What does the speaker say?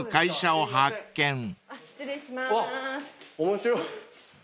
面白い。